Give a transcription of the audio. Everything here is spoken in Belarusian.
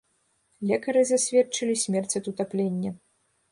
Лекары засведчылі смерць ад утаплення.